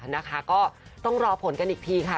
นะคะก็ต้องรอผลกันอีกทีค่ะ